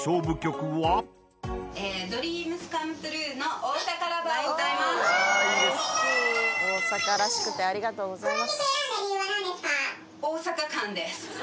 大阪らしくてありがとうございます。